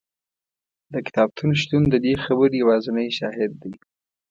د کتابتون شتون د دې خبرې یوازینی شاهد دی.